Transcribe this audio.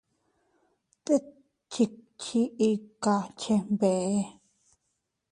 Tet chikchi ikaa chenbeʼe.